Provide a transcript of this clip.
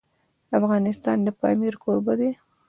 افغانستان د پامیر کوربه دی.